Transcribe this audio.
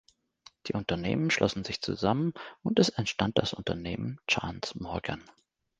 Die Unternehmen schlossen sich zusammen und es entstand das Unternehmen Chance Morgan.